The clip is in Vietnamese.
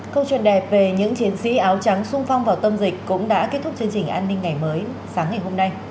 câu chuyện đẹp về những chiến sĩ áo trắng sung phong vào tâm dịch cũng đã kết thúc chương trình an ninh ngày mới sáng ngày hôm nay